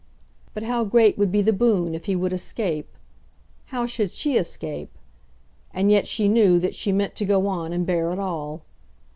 But how great would be the boon if he would escape. How should she escape? And yet she knew that she meant to go on and bear it all.